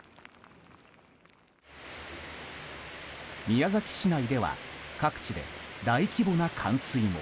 宮崎市内では各地で大規模な冠水も。